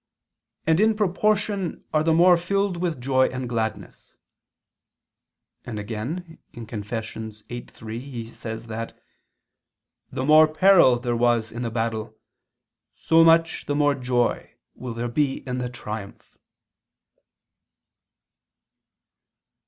. and in proportion are the more filled with joy and gladness": and again (Confess. viii, 3) he says that "the more peril there was in the battle, so much the more joy will there be in the triumph."